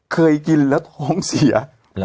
เคยกินแล้วท้องเสีย